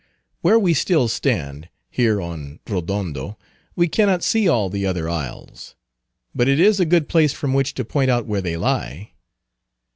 Where we still stand, here on Rodondo, we cannot see all the other isles, but it is a good place from which to point out where they lie.